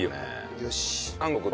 よし。